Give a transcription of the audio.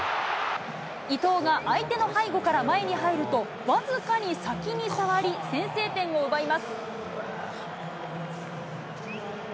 伊東が相手の背後から前に入ると、僅かに先に触り、先制点を奪います。